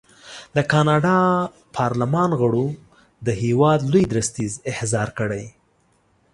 د کاناډا پارلمان غړو د هېواد لوی درستیز احضار کړی.